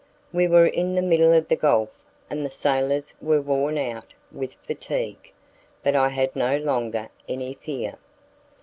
We were in the middle of the gulf, and the sailors were worn out with fatigue, but I had no longer any fear.